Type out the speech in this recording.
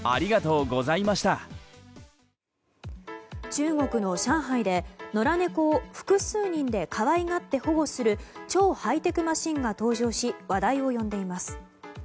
中国の上海で野良猫を複数人で可愛がって保護する超ハイテクマシンが登場し話題を呼んでいます。